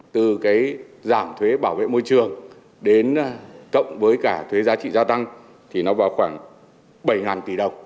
từ cái giảm thuế bảo vệ môi trường đến cộng với cả thuế giá trị gia tăng thì nó vào khoảng bảy tỷ đồng